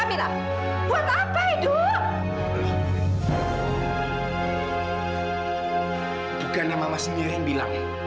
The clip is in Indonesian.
itu kan yang mama sendiri yang bilang